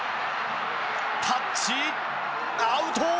タッチアウト！